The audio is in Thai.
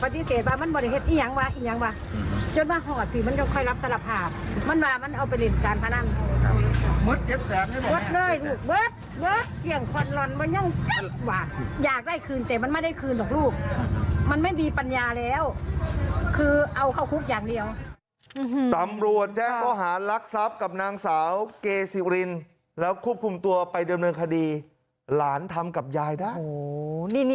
ตำรวจแจ้งก็หารักทรัพย์กับนางสาวเกซิลินแล้วคุกภูมิตัวไปดำเนินคดีหลานทำกับยายได้